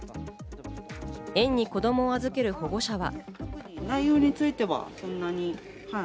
園に子供を預ける保護者は。